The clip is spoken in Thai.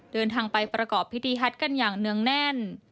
เดินทางไปประกอบพิธีฮัทกันอย่างเนื่องแน่น